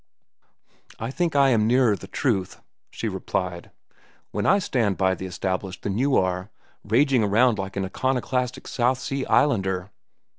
"I think I am nearer the truth," she replied, "when I stand by the established, than you are, raging around like an iconoclastic South Sea Islander."